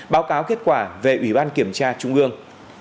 báo cáo kết quả về ủy ban kiểm tra trung ương